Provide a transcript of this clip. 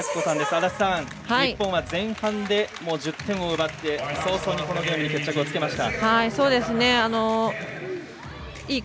安達さん、日本は前半で１０点を奪って早々にこのゲームに決着をつけました。